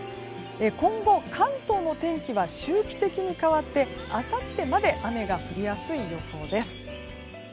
今後、関東の天気は周期的に変わってあさってまで雨が降りやすい予想です。